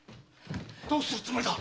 どうするつもりだ？